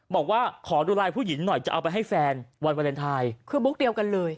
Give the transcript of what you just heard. บอกว่าขอดูไลน์ผู้หญิงหน่อยจะเอาไปให้แฟนวันวาเลนไทยคือบุ๊กเดียวกันเลย